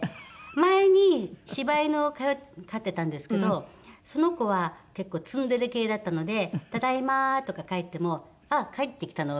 前に柴犬を飼ってたんですけどその子は結構ツンデレ系だったので「ただいま」とか帰ってもあっ帰ってきたの？